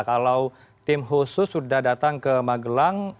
kalau tim khusus sudah datang ke magelang